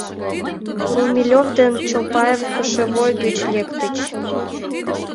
Румелёв ден Чолпаев кошевой гыч лектыч.